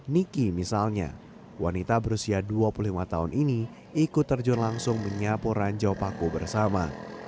niki misalnya wanita berusia dua puluh lima tahun ini ikut terjun langsung menyapu ranjau paku bersama